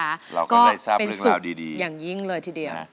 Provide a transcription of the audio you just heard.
เราก็เลยทราบเรื่องราวดีอย่างยิ่งเลยทีเดียว